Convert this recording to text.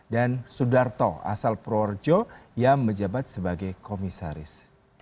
dan sudarto asal proorjo yang menjabat sebagai komisaris